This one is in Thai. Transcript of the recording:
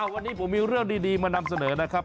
วันนี้ผมมีเรื่องดีมานำเสนอนะครับ